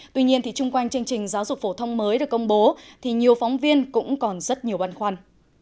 tuy nhiên chung quanh chương trình giáo dục phổ thông mới được công bố thì nhiều phóng viên cũng còn rất nhiều băn khoăn